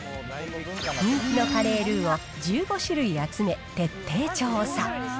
人気のカレールーを１５種類集め徹底調査。